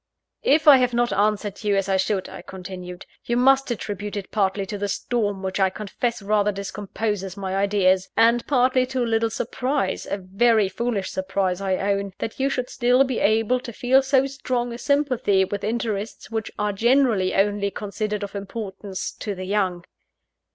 "If I have not answered you as I should," I continued, "you must attribute it partly to the storm, which I confess rather discomposes my ideas; and partly to a little surprise a very foolish surprise, I own that you should still be able to feel so strong a sympathy with interests which are generally only considered of importance to the young."